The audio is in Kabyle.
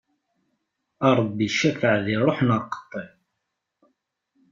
A Ṛebbi cafeɛ di ṛṛuḥ neɣ qeṭṭi!